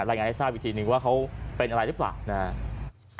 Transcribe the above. รายงานให้ทราบอีกทีนึงว่าเขาเป็นอะไรหรือเปล่านะครับ